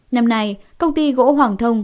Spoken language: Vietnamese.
năm nay công ty gỗ hoàng thông